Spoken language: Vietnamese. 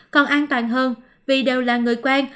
còn an toàn hơn vì đều là người quang